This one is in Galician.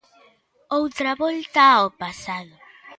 Outra volta ao pasado.